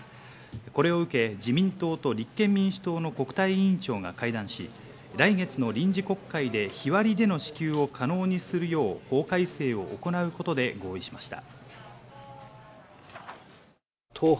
これを受け自民党と立憲民主党の国対委員長が会談し、来月の臨時国会で日割りでの支給を可能にするよう法改正を行うことで合意しました。